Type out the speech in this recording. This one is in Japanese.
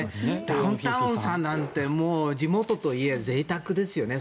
ダウンタウンさんなんて地元とはいえぜいたくですよね